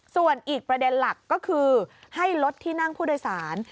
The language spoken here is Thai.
ส่วนอีกประเด็นหลักก็คือให้ลดที่นั่งผู้โดยสาร